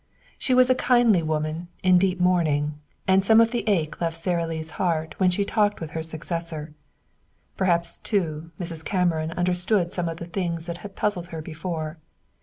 She was a kindly woman, in deep mourning; and some of the ache left Sara Lee's heart when she had talked with her successor. Perhaps, too, Mrs. Cameron understood some of the things that had puzzled her before.